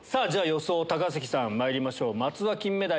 予想高杉さんまいりましょう。